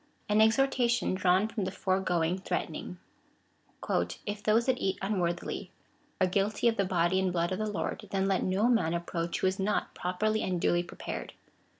An exhortation drawn from the foregoing threatening. " If those that eat unworthily are guilty of the body and blood of the Lord, then let no man approach who is not properly and duly prepared.